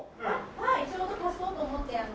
はいちょうど足そうと思って。